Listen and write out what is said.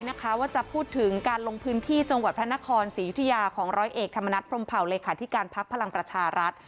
นะคะว่าจะพูดถึงการลงพื้นที่จังหวัดพระนครศรียุธยาของร้อยเอกธรรมนัฐพรมเผาเลขาธิการพักพลังประชารัฐ